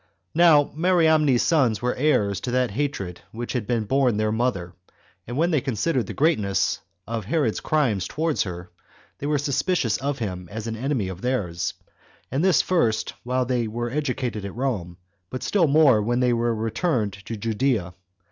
1. Now Mariamne's sons were heirs to that hatred which had been borne their mother; and when they considered the greatness of Herod's crime towards her, they were suspicious of him as of an enemy of theirs; and this first while they were educated at Rome, but still more when they were returned to Judea.